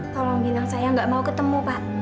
tolong bilang saya gak mau ketemu pak